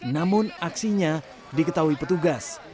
namun aksinya diketahui petugas